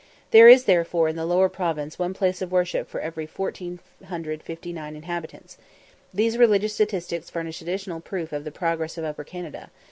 There is therefore in the Lower Province one place of worship for every 1459 inhabitants. These religious statistics furnish additional proof of the progress of Upper Canada.